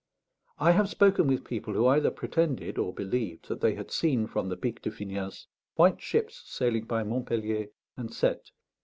I have spoken with people who either pretended or believed that they had seen, from the Pic de Finiels, white ships sailing by Montpellier and Cette.